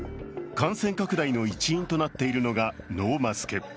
感染拡大の一因となっているのがノーマスク。